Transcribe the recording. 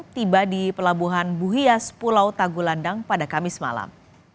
tiba di pelabuhan buhias pulau tagulandang pada kamis malam